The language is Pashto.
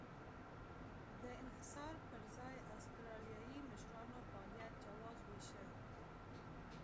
د انحصار پر ځای اسټرالیایي مشرانو فعالیت جواز وېشه.